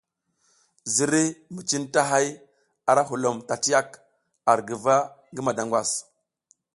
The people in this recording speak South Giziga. Ziriy mi cintahay arahulom tatiyak ar guva ngi madangwas.